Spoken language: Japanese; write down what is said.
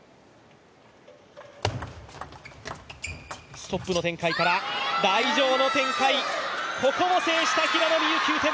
ストップの展開から台上の展開、ここも制した。